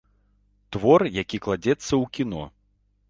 Твор, які кладзецца ў кіно.